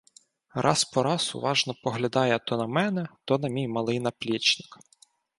Раз по раз уважно поглядає то на мене, то на мій малий наплічник